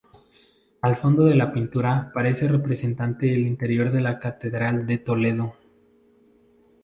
El fondo de la pintura parece representar el interior de la catedral de Toledo.